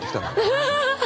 アハハハ！